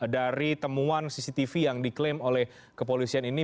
dari temuan cctv yang diklaim oleh kepolisian ini